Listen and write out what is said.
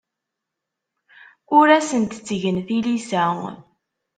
Ur asent-ttgeɣ tilisa.